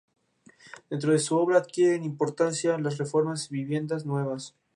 Dentro de su obra adquieren importancia las reformas y viviendas nuevas.